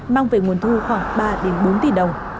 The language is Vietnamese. mang về nguồn thu khoảng ba bốn tỷ đồng